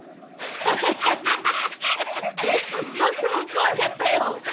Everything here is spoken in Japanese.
ハハハ僕も怖かったよ。